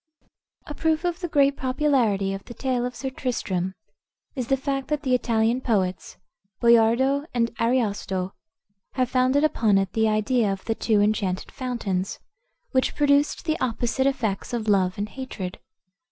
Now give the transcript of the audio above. A proof of the great popularity of the tale of Sir Tristram is the fact that the Italian poets, Boiardo and Ariosto, have founded upon it the idea of the two enchanted fountains, which produced the opposite effects of love and hatred.